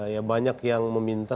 ya banyak yang meminta